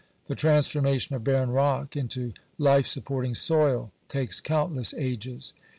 The transformation of barren rock into life supporting soil takes countless ages.